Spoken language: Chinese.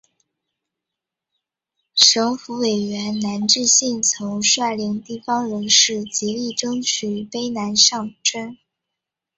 省府委员南志信曾率领地方人士极力争取卑南上圳。